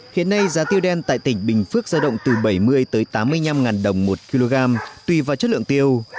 hiện nay giá tiêu đen tại tỉnh bình phước ra động từ bảy mươi tới tám mươi năm đồng một kg tùy vào chất lượng tiêu